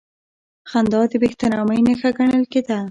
خندا د بېاحترامۍ نښه ګڼل کېده.